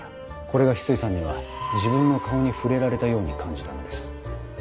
これが翡翠さんには自分の顔に触れられたように感じたのです。